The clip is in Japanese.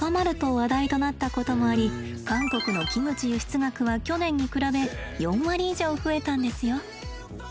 話題となったこともあり韓国のキムチ輸出額は去年に比べ４割以上増えたんですよ。